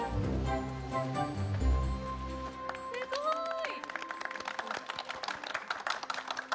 すごい！